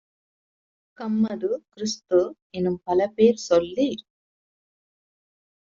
கம்மது, கிறிஸ்து-எனும் பலபேர் சொல்லிச்